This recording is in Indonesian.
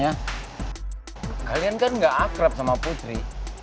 tasha dipanya kalian kan gak akrab sama putri